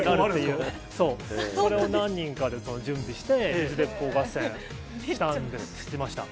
それを何人かで準備して、水鉄砲合戦したんです、しました。